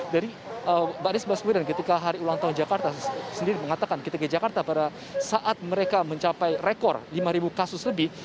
dari baris baswedan ketika hari ulang tahun jakarta sendiri mengatakan kita ke jakarta pada saat mereka mencapai rekor lima kasus lebih